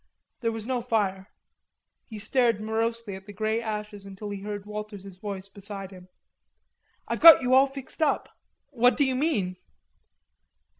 There was no fire. He stared morosely at the grey ashes until he heard Walters's voice beside him: "I've got you all fixed up." "What do you mean?"